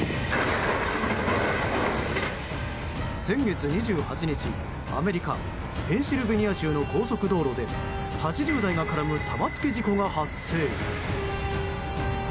先月２８日アメリカ・ペンシルベニア州の高速道路で８０台が絡む玉突き事故が発生。